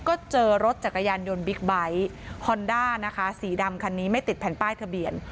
ก็เจอรถจักรยานยนต์บิ๊กไบท์ฮอนด้านะคะสีดำคันนี้ไม่ติดแผ่นป้ายทะเบียน